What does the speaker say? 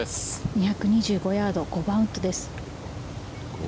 ２２５ヤード５番ウッドです。